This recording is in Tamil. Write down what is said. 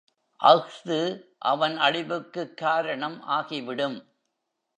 அஃது அவன் அழிவுக்குக் காரணம் ஆகிவிடும்.